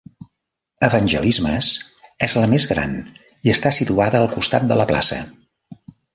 "Evangelismes" és la més gran, i està situada al costat de la plaça.